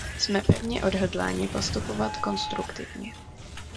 Jsme pevně odhodláni postupovat konstruktivně.